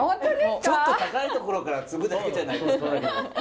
ちょっと高い所からつぐだけじゃないですか。